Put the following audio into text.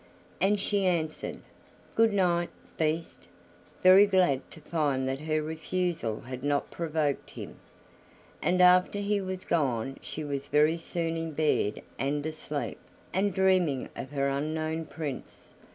And she answered, "Good night, Beast," very glad to find that her refusal had not provoked him. And after he was gone she was very soon in bed and asleep, and dreaming of her unknown Prince.